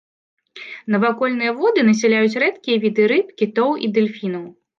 Навакольныя воды насяляюць рэдкія віды рыб, кітоў і дэльфінаў.